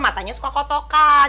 matanya suka kotokan